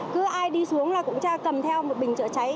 cứ ai đi xuống là cũng cha cầm theo một bình chữa cháy